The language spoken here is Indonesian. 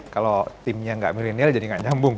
kalau timnya nggak milenial jadi nggak nyambung